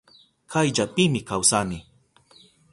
Kayllapimi kawsani.